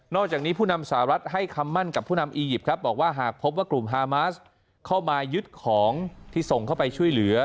จากนี้ผู้นำสหรัฐให้คำมั่นกับผู้นำอียิปต์ครับบอกว่าหากพบว่ากลุ่มฮามาสเข้ามายึดของที่ส่งเข้าไปช่วยเหลือ